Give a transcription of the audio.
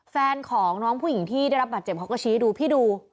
แฟนของน้องผู้หญิงที่ได้รับบาดเจ็บเขาก็ชี้ให้ดูพี่ดู